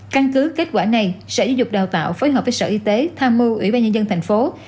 căn cứ kết quả này sở giáo dục đào tạo phối hợp với sở y tế tham mưu ủy ban nhân dân thành phố